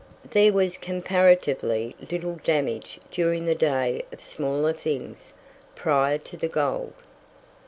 There was comparatively little damage during the day of smaller things, prior to the gold.